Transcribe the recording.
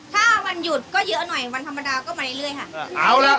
ถ้าวันหยุดก็เยอะหน่อยวันธรรมดาก็มาเรื่อยค่ะ